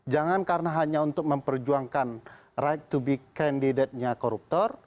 jangan karena hanya untuk memperjuangkan right to be candidatnya koruptor